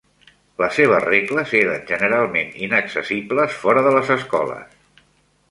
Les seves regles eren generalment inaccessibles fora de les escoles.